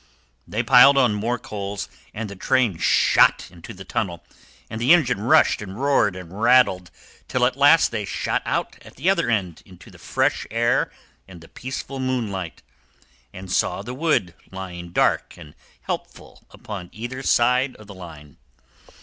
They piled on more coals, and the train shot into the tunnel, and the engine rushed and roared and rattled, till at last they shot out at the other end into fresh air and the peaceful moonlight, and saw the wood lying dark and helpful upon either side of the line.